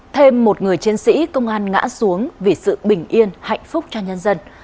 thêm một người chiến sĩ công an ngã xuống vì sự bình yên hạnh phúc cho nhân dân